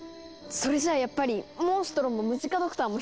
それじゃあやっぱりモンストロもムジカ・ドクターも必要なんですね！